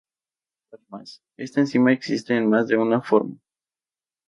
Además, esta enzima existe en más de una forma.